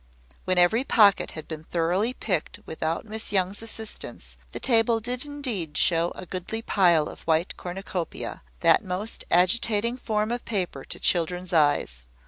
When every pocket had been thoroughly picked without Miss Young's assistance, the table did indeed show a goodly pile of white cornucopia, that most agitating form of paper to children's eyes.